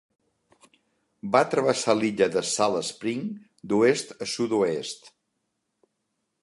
Va travessar l'illa de Salt Spring d'oest a sud-oest.